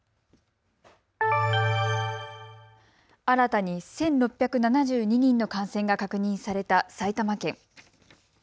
新たに１６７２人の感染が確認された埼玉県。